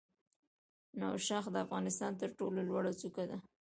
نوشاخ د افغانستان تر ټولو لوړه څوکه ده